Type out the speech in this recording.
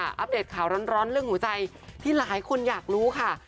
อัปเดตข่าวร้อนเรื่องหัวใจที่หลายคนอยากรู้ค่ะ